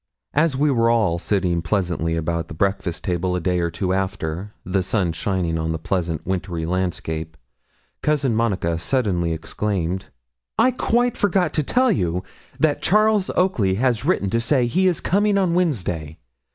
As we were all sitting pleasantly about the breakfast table a day or two after, the sun shining on the pleasant wintry landscape, Cousin Monica suddenly exclaimed 'I quite forgot to tell you that Charles Oakley has written to say he is coming on Wednesday.